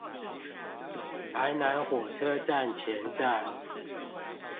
臺南火車站前站